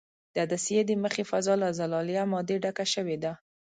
د عدسیې د مخې فضا له زلالیه مادې ډکه شوې ده.